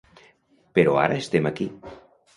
Però ara estem aquí.